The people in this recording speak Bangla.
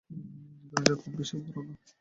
দুনিয়াটা খুব বেশি বড় না।